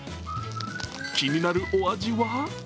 気になるお味は？